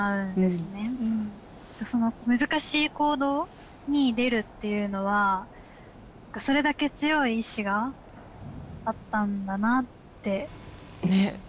その難しい行動に出るっていうのはそれだけ強い意志があったんだなって。ね。